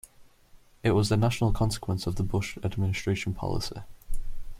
It was the natural consequence of the Bush Administration policy.